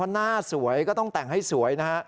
หน้าสวยก็ต้องแต่งให้สวยนะฮะ